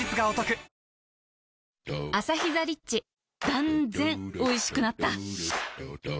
断然おいしくなった